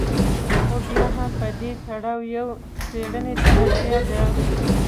خو بیا هم په دې تړاو یوې څېړنې ته اړتیا ده.